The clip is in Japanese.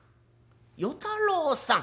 「与太郎さん？